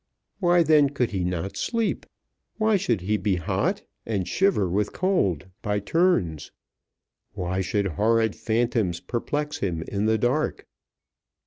Why then could he not sleep? Why should he be hot and shiver with cold by turns? Why should horrid phantoms perplex him in the dark?